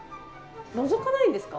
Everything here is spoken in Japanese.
のぞかないんですか？